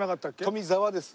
富澤です。